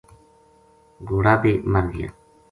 گھوڑو بے مر گیا